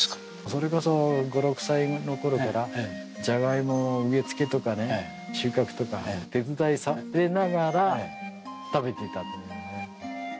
それこそ５６歳の頃からじゃがいもの植え付けとかね収穫とか手伝いさせられながら食べてたと。